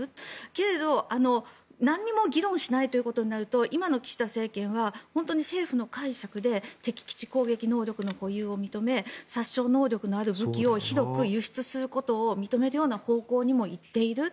けれど、何も議論しないということになると今の岸田政権は本当に政府の解釈で敵基地攻撃能力の保有を認め殺傷能力のある武器を広く輸出するようなことを認めるような方向に行っている。